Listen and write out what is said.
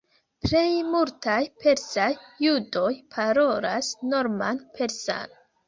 Plej multaj persaj judoj parolas norman persan.